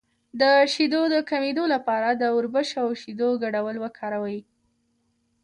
د شیدو د کمیدو لپاره د وربشو او شیدو ګډول وکاروئ